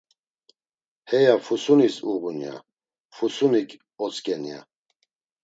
Heya Fusunis uğun ya, Fusunik otzǩen ya.